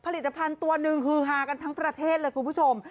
ผลิตภัณฑ์ตัวหนึ่งฮือฮากันทั้งประเทศเลยคุณผู้ชม